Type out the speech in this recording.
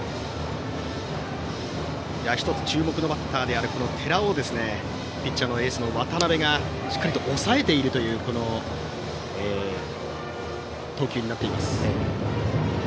１つ注目のバッターであるこの寺尾をピッチャーのエースの渡辺がしっかりと抑えているという投球になっています。